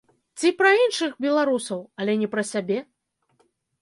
Ці пра іншых беларусаў, але не пра сябе?